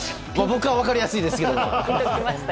僕は分かりやすいですけど。